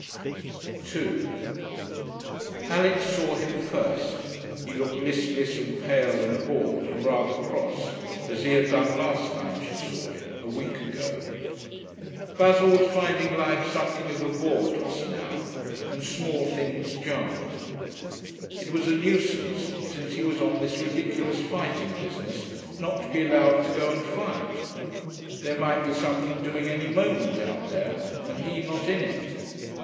2 Alix saw him first; he looked listless and pale and bored and rather cross, as he had done last time she saw him, a week ago. Basil was finding life something of a bore just now, and small things jarred. It was a nuisance, since he was on this ridiculous fighting business, not to be allowed to go and fight. There might be something doing any moment out there, and he not in it.